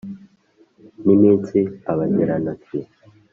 ni minsi abagera ntoki